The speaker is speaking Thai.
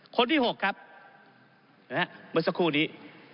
คนที่๖ครับเมื่อสักครู่นี้